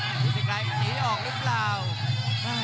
ฤทธิไกรหนีออกหรือเปล่า